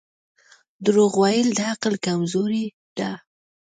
• دروغ ویل د عقل کمزوري ده.